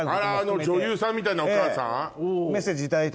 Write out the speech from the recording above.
あの女優さんみたいなお母さん？